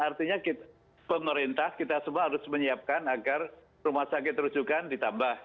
artinya pemerintah kita semua harus menyiapkan agar rumah sakit rujukan ditambah